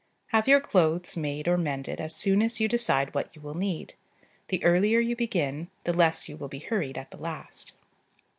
Have your clothes made or mended as soon as you decide what you will need: the earlier you begin, the less you will be hurried at the last.